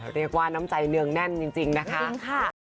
เรียกว่าน้ำใจเนืองแน่นจริงนะคะ